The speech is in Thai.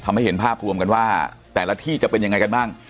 ให้เห็นภาพรวมกันว่าแต่ละที่จะเป็นยังไงกันบ้าง